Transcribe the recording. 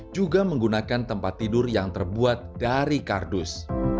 juga menggunakan tempat tidur yang terbuat dari kardus